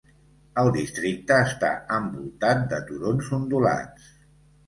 El districte està envoltat de turons ondulats.